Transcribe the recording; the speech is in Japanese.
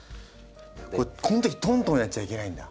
このときトントンやっちゃいけないんだ。